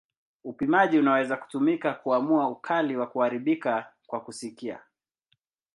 Upimaji unaweza kutumika kuamua ukali wa kuharibika kwa kusikia.